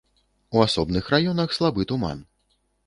У асобных раёнах слабы туман.